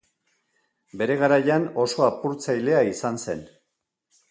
Bere garaian oso apurtzailea izan zen.